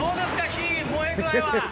火、燃え具合は。